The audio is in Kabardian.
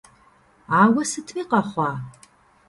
Ауэ сытми къэхъуа!